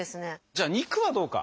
じゃあ肉はどうか？